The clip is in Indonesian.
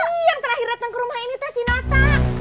iya yang terakhir datang ke rumah ini tuh si nata